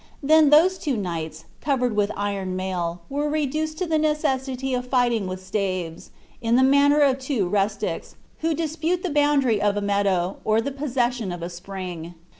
Then those two knights, covered with iron mail, were reduced to the necessity of fighting with staves, in the manner of two rustics, who dispute the boundary of a meadow, or the possession of a spring.